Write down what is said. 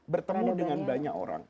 bertemu dengan banyak orang